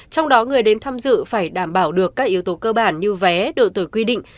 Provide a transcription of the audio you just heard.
trong đó người đến tham dự phải đảm bảo được các yếu tố cơ bản như vé độ tuổi quy định